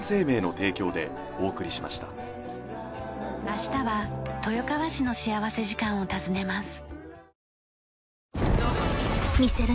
明日は豊川市の幸福時間を訪ねます。